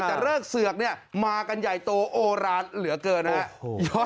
แต่เริกเสือกเนี่ยมากันใหญ่โตโอรานเหลือเกินนะครับ